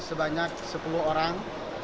sebanyak sepuluh orang